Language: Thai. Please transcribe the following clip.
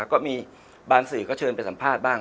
ก็มีบางสื่อก็เชิญไปสัมภาษณ์บ้าง